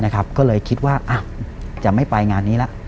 ก็เลยคิดว่าจะไม่ไปงานนี้ละ